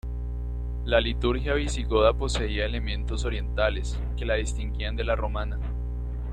La liturgia visigoda poseía elementos orientales, que la distinguían de la romana.